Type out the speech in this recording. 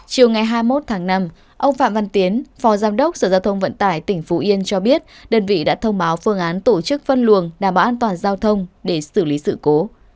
chiều ngày hai mươi một tháng năm ông phạm văn tiến phó giám đốc sở giao thông vận tải tỉnh phú yên cho biết đơn vị đã thông báo phương án tổ chức phân luồng đảm bảo an toàn giao thông để xử lý sự cố